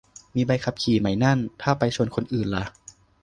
มีใบขับขี่ไหมนั่น ถ้าไปชนคนอื่นล่ะ